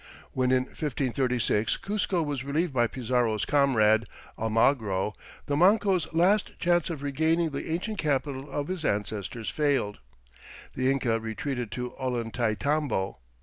When in 1536 Cuzco was relieved by Pizarro's comrade, Almagro, and Manco's last chance of regaining the ancient capital of his ancestors failed, the Inca retreated to Ollantaytambo.